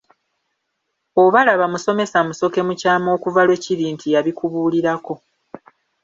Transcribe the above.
Oba laba musomesa Musoke mu kyama okuva lwe kiri nti yabikubuulirako.